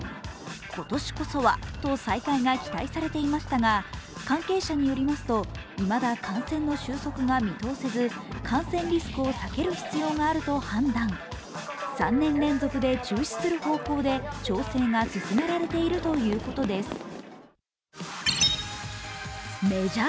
今年こそはと再開が期待されていましたが関係者によりますといまだ感染の収束が見通せず感染リスクを避ける必要があると判断、３年連続で中止する方向で調整が進められているということです。